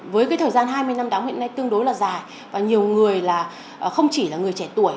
với cái thời gian hai mươi năm đóng hiện nay tương đối là dài và nhiều người là không chỉ là người trẻ tuổi